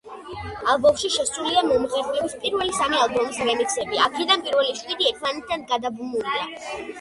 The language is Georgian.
ალბომში შესულია მომღერლის პირველი სამი ალბომის რემიქსები, აქედან პირველი შვიდი ერთმანეთთან გადაბმულია.